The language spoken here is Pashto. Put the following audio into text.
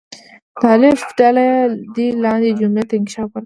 د الف ډله دې لاندې جملې ته انکشاف ورکړي.